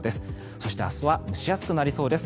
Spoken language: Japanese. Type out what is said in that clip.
そして明日は蒸し暑くなりそうです。